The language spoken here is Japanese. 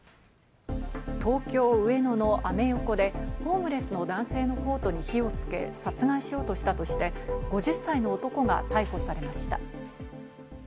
東京・上野のアメ横でホームレスの男性のコートに火をつけ殺害しようとしたとして、５０歳の男が逮捕されました。